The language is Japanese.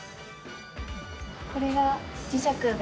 これが磁石で。